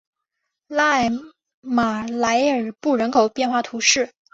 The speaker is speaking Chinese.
拉艾马莱尔布人口变化图示